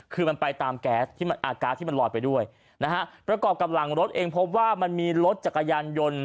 คือมันไปตามแก๊สที่มันอากาศที่มันลอยไปด้วยนะฮะประกอบกับหลังรถเองพบว่ามันมีรถจักรยานยนต์